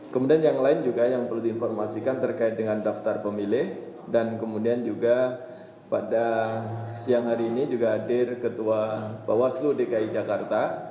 kemudian yang lain juga yang perlu diinformasikan terkait dengan daftar pemilih dan kemudian juga pada siang hari ini juga hadir ketua bawaslu dki jakarta